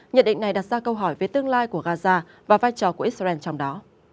nhận định này đặt ra câu hỏi về tương lai của gaza và vai trò của israel trong đó